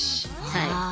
はい。